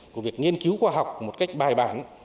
của việc nghiên cứu khoa học một cách bài bản